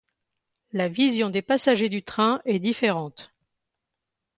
La vision des passagers du train est différente.